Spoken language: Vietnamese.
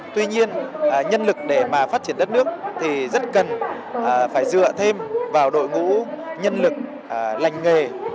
tuy nhiên nhân lực để mà phát triển đất nước thì rất cần phải dựa thêm vào đội ngũ nhân lực lành nghề